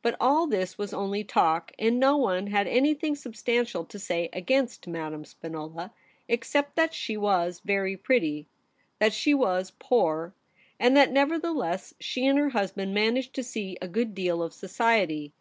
But all this was only talk, and no one had anything substantial to say against Madame Spinola, except that she was very pretty, that she was poor, and that nevertheless she and her husband managed to see a good deal of society.